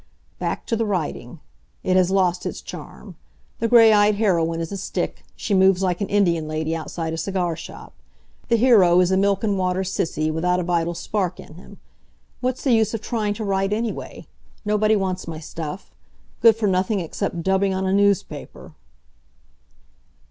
Back to the writing. It has lost its charm. The gray eyed heroine is a stick; she moves like an Indian lady outside a cigar shop. The hero is a milk and water sissy, without a vital spark in him. What's the use of trying to write, anyway? Nobody wants my stuff. Good for nothing except dubbing on a newspaper!